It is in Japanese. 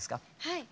はい。